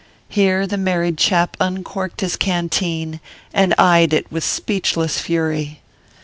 Here the married chap uncorked his canteen and eyed it with speechless fury.